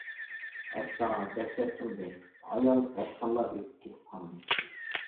-ئەستا، بەك سەت تۇردى. ئايال ھەشقاللا ئېيتىپ كېتىپ قالدى.